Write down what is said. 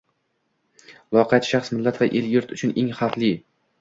Loqayd shaxs- millat va el-yurt uchun eng xavfli